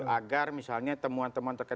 agar misalnya temuan temuan terkait